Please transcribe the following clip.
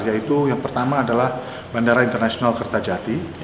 yaitu yang pertama adalah bandara internasional kertajati